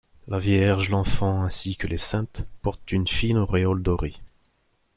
La Vierge, l'Enfant ainsi que les saintes, portent une fine auréole dorée.